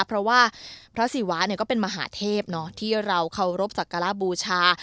เพราะว่าพระศิวะก็เป็นมหาเทพที่เราเคารพสักการะบูชา